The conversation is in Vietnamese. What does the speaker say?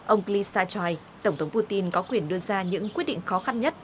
ông klyash cho hay tổng thống putin có quyền đưa ra những quyết định khó khăn nhất